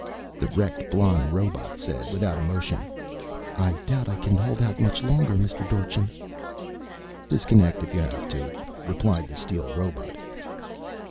The wrecked blonde robot said, without emotion, "I doubt that I can hold out much longer, Mr. Dorchin." "Disconnect if you have to," replied the steel robot.